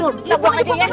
kita buang aja bu